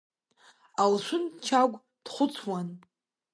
Алшәынд Чагә дхәыцуан.